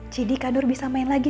jadi kak nur bisa main lagi